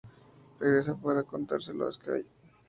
Regresa para contárselo a Skye.